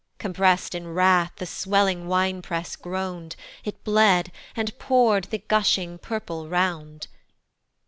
Compres'd in wrath the swelling wine press groan'd, It bled, and pour'd the gushing purple round.